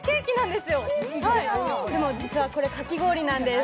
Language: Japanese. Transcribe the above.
でも実はこれ、かき氷なんです。